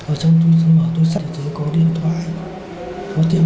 ở trong túi dưới mở túi sắt ở dưới có điện thoại có tiền